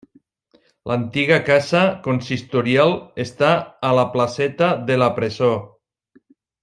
L'antiga casa consistorial està a la Placeta de la presó.